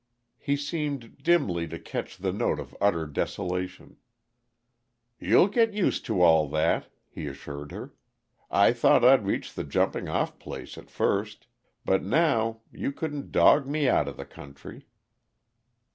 He seemed dimly to catch the note of utter desolation. "You'll get used to all that," he assured her. "I thought I'd reached the jumping off place, at first. But now you couldn't dog me outa the country."